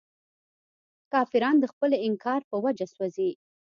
کافران د خپل انکار په وجه سوځي.